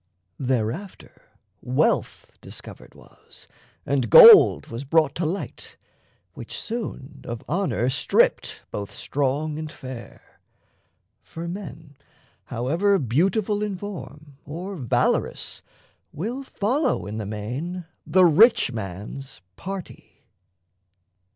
Thereafter, wealth Discovered was, and gold was brought to light, Which soon of honour stripped both strong and fair; For men, however beautiful in form Or valorous, will follow in the main The rich man's party.